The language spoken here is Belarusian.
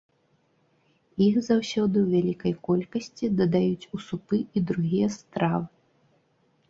Іх заўсёды ў вялікай колькасці дадаюць у супы і другія стравы.